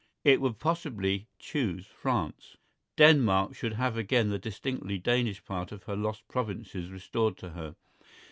It would possibly choose France. Denmark should have again the distinctly Danish part of her lost provinces restored to her.